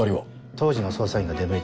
当時の捜査員が出向いてます。